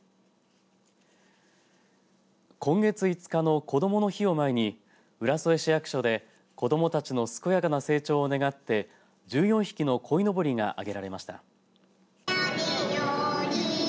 今月５日のこどもの日を前に浦添市役所で子どもたちの健やかな成長を願って１４匹のこいのぼりが掲げられました。